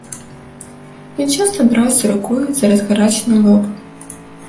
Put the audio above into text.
Ён часта браўся рукою за разгарачаны лоб.